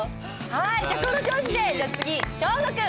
はいじゃあこの調子でじゃあ次祥伍君。